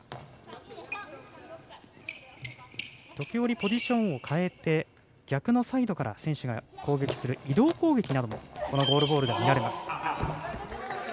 時折、ポジションを変えて逆のサイドから選手が攻撃する移動攻撃などもゴールボールでは見られます。